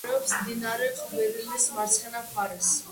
მდებარეობს მდინარე ყვირილის მარცხენა მხარეს.